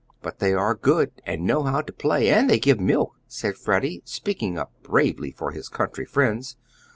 "But they are good, and know how to play, and they give milk," said Freddie, speaking up bravely for his country friends.